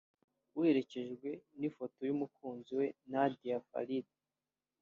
buherekejwe n’ifoto y’umukunzi we Nadia Farid